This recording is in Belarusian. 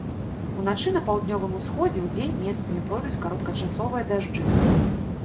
Уначы на паўднёвым усходзе, удзень месцамі пройдуць кароткачасовыя дажджы.